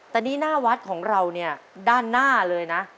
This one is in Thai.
แต่นี่หน้าวัดของเราเนี่ยด้านหน้าเลยนะ